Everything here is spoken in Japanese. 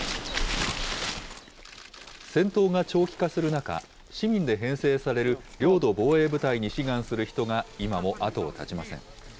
戦闘が長期化する中、市民で編成される領土防衛部隊に志願する人が今も後を絶ちません。